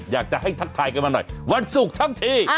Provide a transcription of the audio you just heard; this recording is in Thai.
อยากจะให้ทักทายกันมาหน่อยวันศุกร์ทั้งที